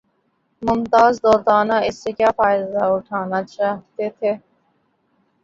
ممتاز دولتانہ اس سے کیا فائدہ اٹھانا چاہتے تھے؟